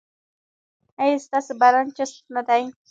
ایا ستاسو بدن چست نه دی؟